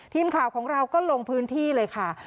ทีมข่าวของเราก็ลงพื้นที่เลยค่ะ